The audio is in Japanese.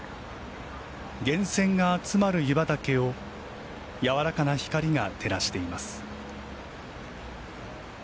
源泉が集まる湯畑をやわらかな光が照らしています。